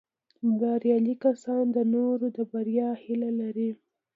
بریالي کسان د نورو د بریا هیله لري